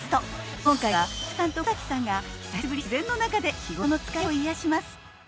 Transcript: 今回は重岡さんと小瀧さんが久しぶりに自然の中で日頃の疲れを癒やします。